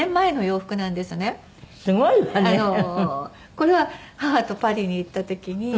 これは母とパリに行った時に。